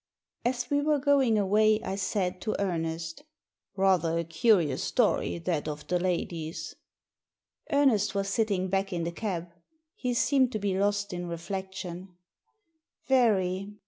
As we were going away I said to Ernest —" Rather a curious story that of the lady's." Ernest was sitting back in the cab. He seemed to be lost in reflectioa "Very."